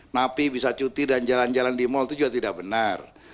napi bisa cuti dan jalan jalan di mal itu juga tidak benar